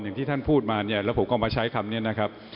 อย่างที่ท่านพูดมาเนี่ยแล้วผมก็มาใช้คำนี้นะครับ